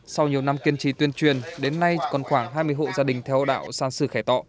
sau nhiều năm kiên trì tuyên truyền đến nay còn khoảng hai mươi hộ gia đình theo đạo san sư khẻ tọ